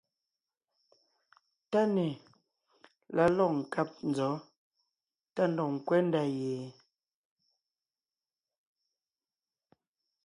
TÁNÈ la lɔ̂g nkáb nzɔ̌ tá ndɔg ńkwɛ́ ndá ye?